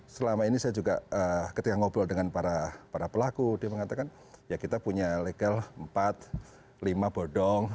selama ini saya juga ketika ngobrol dengan para pelaku dia mengatakan ya kita punya legal empat lima bodong